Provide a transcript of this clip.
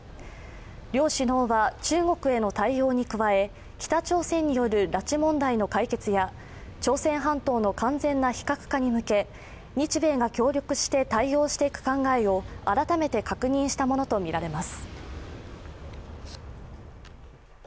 両首脳は中国への対応に加え、北朝鮮による拉致問題の解決や朝鮮半島の完全な非核化に向け日米が協力して対応していく考えを改めて確認したものとみられます。